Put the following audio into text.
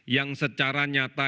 yang secaranya berubah